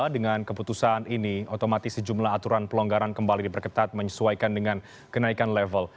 dengan keputusan ini otomatis sejumlah aturan pelonggaran kembali diperketat menyesuaikan dengan kenaikan level